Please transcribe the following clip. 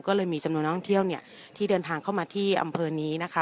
ก็เลยมีจำนวนนักท่องเที่ยวเนี่ยที่เดินทางเข้ามาที่อำเภอนี้นะคะ